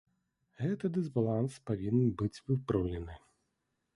Гэты дысбаланс павінен быць выпраўлены.